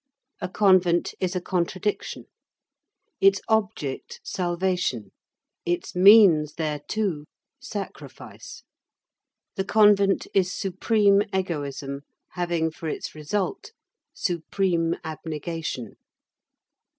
A convent is a contradiction. Its object, salvation; its means thereto, sacrifice. The convent is supreme egoism having for its result supreme abnegation.